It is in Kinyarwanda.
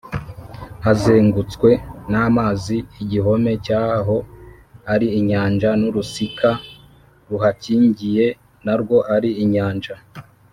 hazengutswe n’amazi igihome cyaho ari inyanja n’urusika ruhakingiye na rwo ari inyanja?